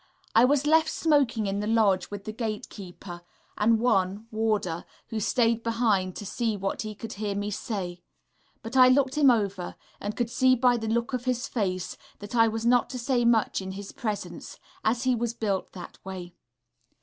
I was left smoking in the lodge with the gate keeper and one (warder) who stayed behind to see what he could hear me say; but I looked him over, and could see by the look of his face that I was not to say much in his presence, as he was built that way....